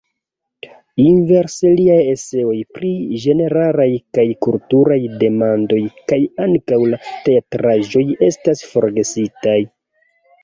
Inverse liaj eseoj pri ĝeneralaj kaj kulturaj demandoj kaj ankaŭ la teatraĵoj estas forgesitaj.